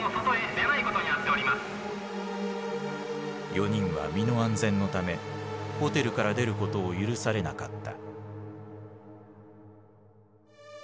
４人は身の安全のためホテルから出ることを許されなかった。